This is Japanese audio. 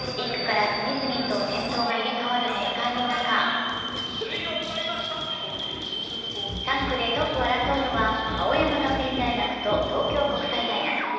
１区から次々と先頭が入れ替わる展開の中、３区でトップを争うのは青山学院大学と東京国際大学。